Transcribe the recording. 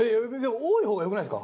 多い方が良くないですか？